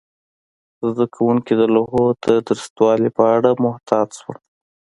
زده کوونکي د لوحو د درستوالي په اړه محتاط شول.